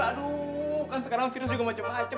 aduh kan sekarang virus juga macam macam